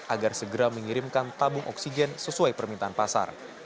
agar segera mengirimkan tabung oksigen sesuai permintaan pasar